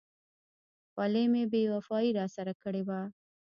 خولۍ مې بې وفایي را سره کړې وه.